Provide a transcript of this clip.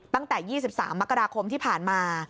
ตั้งแต่๒๓มกราคมที่ผ่านมา